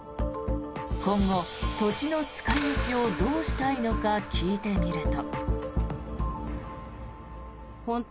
今後、土地の使い道をどうしたいのか聞いてみると。